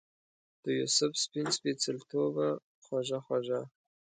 دیوسف سپین سپیڅلتوبه خوږه خوږه